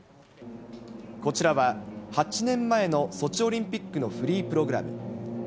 こちらは８年前のソチオリンピックのフリープログラム。